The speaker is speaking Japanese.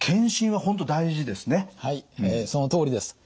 はいそのとおりです。